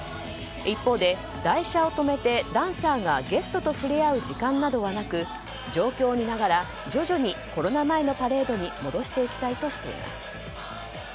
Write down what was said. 一方で、台車を止めてダンサーがゲストと触れ合う時間などはなく状況を見ながら徐々にコロナ前のパレードに戻していきたいとしています。